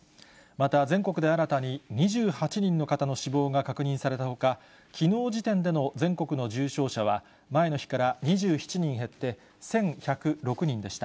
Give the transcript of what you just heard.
また全国で新たに２８人の方の死亡が確認されたほか、きのう時点での全国の重症者は、前の日から２７人減って１１０６人でした。